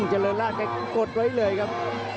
จริงก็กดไว้เลยครับ